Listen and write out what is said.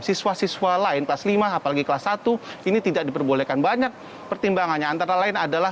siswa siswa lain kelas lima apalagi kelas satu ini tidak diperbolehkan banyak pertimbangannya